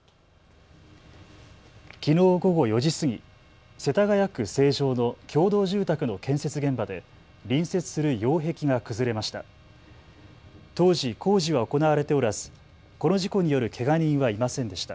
きのう午後４時過ぎ、世田谷区成城の共同住宅の建設現場で隣接する擁壁が崩れました。